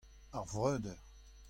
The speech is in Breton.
Ar vreudeur.